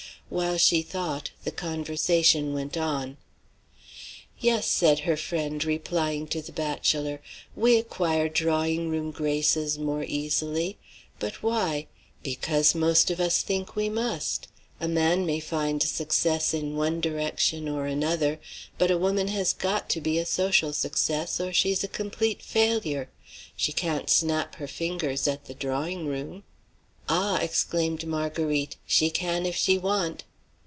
While she thought, the conversation went on. "Yes," said her friend, replying to the bachelor, "we acquire drawing room graces more easily; but why? Because most of us think we must. A man may find success in one direction or another; but a woman has got to be a social success, or she's a complete failure. She can't snap her fingers at the drawing room." "Ah!" exclaimed Marguerite, "she can if she want!"